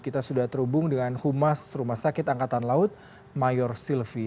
kita sudah terhubung dengan humas rumah sakit angkatan laut mayor silvi